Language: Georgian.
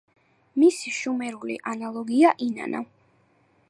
მისი შუმერული ანალოგია ინანა.